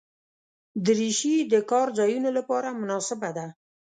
دریشي د کار ځایونو لپاره مناسبه ده.